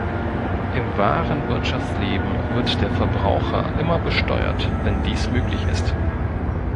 Im wahren Wirtschaftsleben wird der Verbraucher immer besteuert, wenn dies möglich ist.